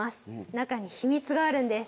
中に秘密があるんです。